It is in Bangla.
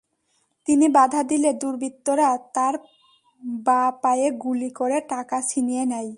তিনি বাধা দিলে দুর্বৃত্তরা তাঁর বাঁ পায়ে গুলি করে টাকা ছিনিয়ে নেয়।